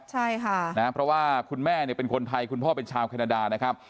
ใช่ค่ะนะเพราะว่าคุณแม่เนี่ยเป็นคนไทยคุณพ่อเป็นชาวแคนาดานะครับ